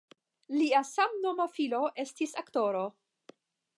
Lia samnoma filo estis aktoro.